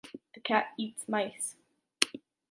The cat eats mice.